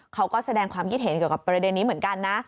เขาก็แสดงความคิดเห็นเกี่ยวกับประเด็นนี้เหมือนกันนะ